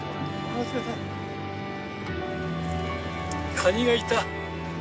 カニがいた。